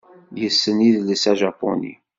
Yessen idles ajapuni.